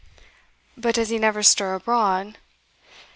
"But does he never stir abroad?"